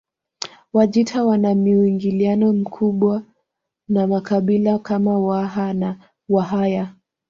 Wajita wana muingiliano mkubwa na makabila kama Waha na Wahaya